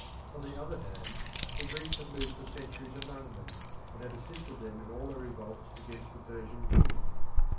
On the other hand, the Greeks had lived for centuries among them, and had assisted them in all their revolts against the Persian king.